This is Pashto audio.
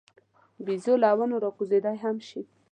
بیزو له ونو راکوزېدای هم شي.